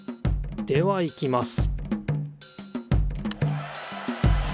ではいきます